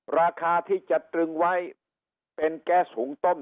ราคาที่จะตรึงไว้เป็นแก๊สหุงต้ม